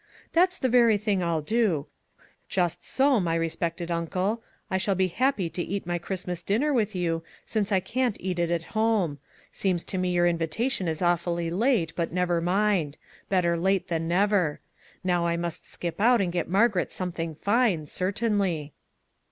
That's the very thing I'll do. Just so, my re spected uncle; I shall be happy to eat my 22 "MERRY CHRISTMAS TO MAG" Christmas dinner with you, since I can't eat it at home. Seems to me your invitation is awfully late, but never mind; better late than never. Now I must skip out and get Margaret something fine, certainly."